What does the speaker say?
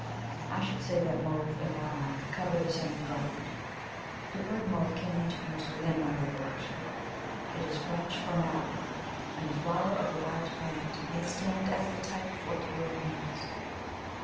I should say that mauve and lilac cover the same ground; the word mauve came into use within my recollection. It is French for mallow, and the flower of the wild plant may stand as the type of what the word means.